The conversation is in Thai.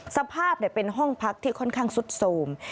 สภาพเป็นห้องพักที่ค่อนข้างซุดโทรม